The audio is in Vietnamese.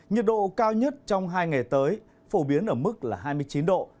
nhiệt độ cao nhất trong hai ngày tới phổ biến ở mức là hai mươi chín độ